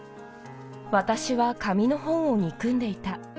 私は紙の本を憎んでいた。